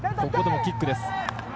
ここでもキックです。